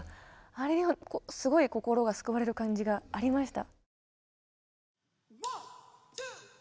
あれにもすごい心が救われる感じがありました。